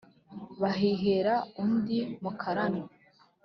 Bahihera undi mukarane.